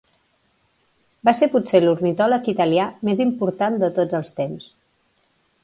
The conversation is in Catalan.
Va ser potser l'ornitòleg italià més important de tots els temps.